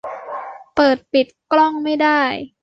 เปิด-ปิดกล้องไม่ได้